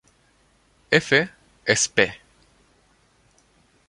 F. Sp.